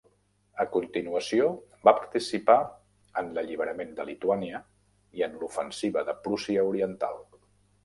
A continuació va participar en l'alliberament de Lituània i en l'ofensiva de Prússia Oriental.